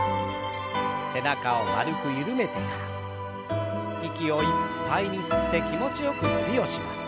背中を丸く緩めてから息をいっぱいに吸って気持ちよく伸びをします。